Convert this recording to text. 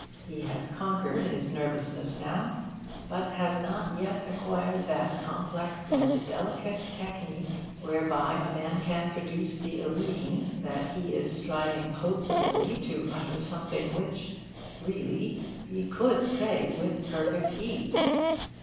He has conquered his nervousness now, but has not yet acquired that complex and delicate technique whereby a man can produce the illusion that he is striving hopelessly to utter something which, really, he could say with perfect ease.